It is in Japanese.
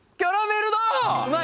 うまい？